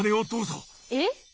えっ！